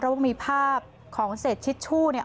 เพราะว่ามีภาพของเสจชิตชู่